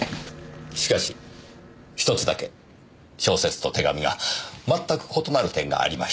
しかしひとつだけ小説と手紙が全く異なる点がありました。